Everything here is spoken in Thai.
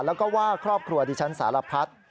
แล้วก็ว่าครอบครัวดิฉันสารพัฒน์